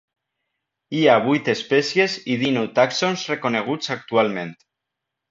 Hi ha vuit espècies i dinou tàxons reconeguts actualment.